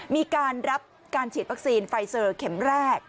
มีการรับการฉีดวัคซีนไฟเซอร์เข็มแรก